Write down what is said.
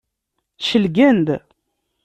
Celgen-d.